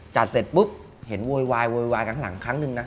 จัดเสร็จปุ๊บเห็นโวยวายกันข้างครั้งนึงนะ